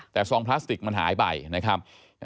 แต่ซองพลาสติกมันหายไปนะครับ